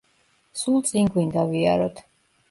სულ წინ გვინდა ვიაროთ.